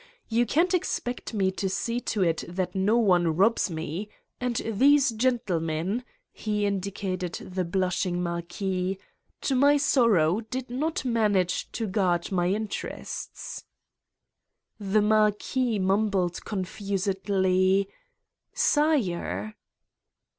Yon can't expect me to see to it that no one robs me. And these gentlemen," he indicated the blush ing Marquis "to my sorrow did not manage to guard my interests." The Marquis mumbled confusedly : "Sire!"